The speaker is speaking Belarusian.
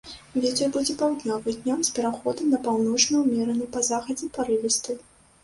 Вецер будзе паўднёвы, днём з пераходам на паўночны ўмераны, па захадзе парывісты.